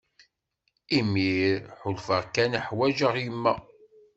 Imir ḥulfaɣ kan uḥwaǧeɣ yemma.